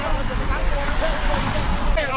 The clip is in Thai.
วันนี้เราจะมาจอดรถที่แรงละเห็นเป็น